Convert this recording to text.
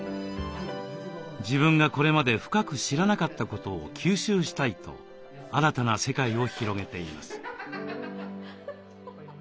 自分がこれまで深く知らなかったことを吸収したいと新たな世界を広げています。